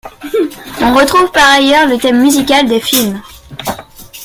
On retrouve par ailleurs le thème musical des films.